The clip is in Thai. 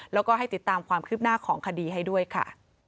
แล้วก็ให้ติดตามความคืบหน้าของคดีให้ด้วยค่ะ